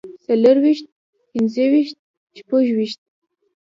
څلورويشت پنځويشت شپږويشت